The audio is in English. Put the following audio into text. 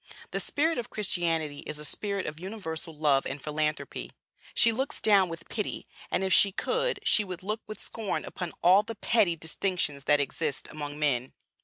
The spirit of Christianity is a spirit of universal love and philanthropy. She looks down with pity, and, if she could, she would look with scorn upon all the petty distinctions that exist among men.